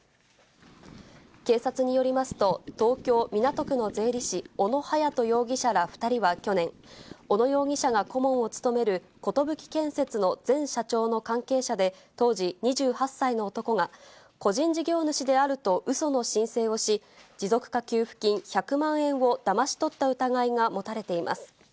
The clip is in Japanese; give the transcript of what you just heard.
警察によりますと、東京・港区の税理士、小野敏人容疑者ら２人は去年、小野容疑者が顧問を務める寿建設の前社長の関係者で当時２８歳の男が、個人事業主であるとうその申請をし、持続化給付金１００万円をだまし取った疑いが持たれています。